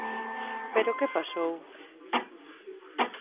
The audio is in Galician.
¿Pero que pasou?